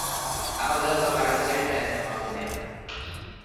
Amak dauka garrantzia eta ez emakumeak.